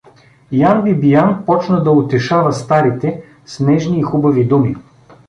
Ян Бибиян почна да утешава старите с нежни и хубави думи.